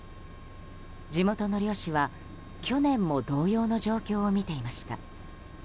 地元の漁師は去年も同様の状況を見ていました。